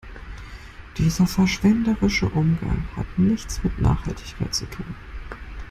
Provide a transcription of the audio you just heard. Dieser verschwenderische Umgang hat nichts mit Nachhaltigkeit zu tun.